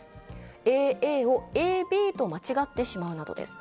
ＡＡをＡＢと間違ってしまうなどです。